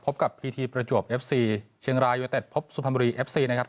พบกับพีทีประจวบเอฟซีเชียงรายยูเต็ดพบสุพรรณบุรีเอฟซีนะครับ